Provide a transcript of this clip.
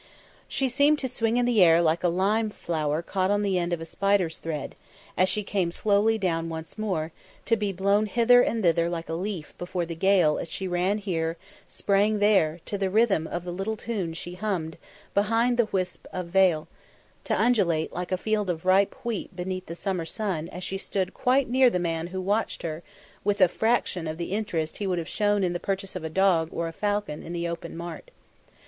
She seemed to swing in the air like a lime flower caught on the end of a spider's thread, as she came slowly down once more; to be blown hither and thither like a leaf before the gale as she ran here, sprang there, to the rhythm of the little tune she hummed behind the wisp of veil; to undulate, like a field of ripe wheat beneath the summer sun as she stood quite near the man who watched her with a fraction of the interest he would have shown in the purchase of a dog or falcon in the open mart.